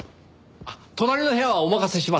あっ隣の部屋はお任せします。